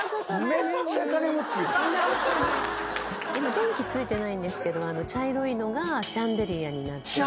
電気ついてないんですが茶色いのがシャンデリアになっていて。